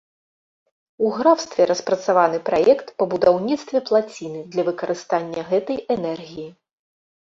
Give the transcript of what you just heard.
У графстве распрацаваны праект па будаўніцтве плаціны для выкарыстання гэтай энергіі.